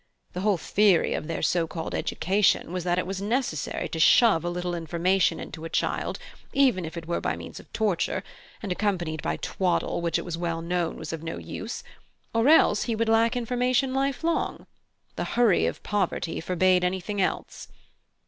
The whole theory of their so called education was that it was necessary to shove a little information into a child, even if it were by means of torture, and accompanied by twaddle which it was well known was of no use, or else he would lack information lifelong: the hurry of poverty forbade anything else.